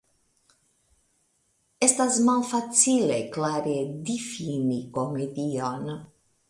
Estas malfacile klare difini komedion.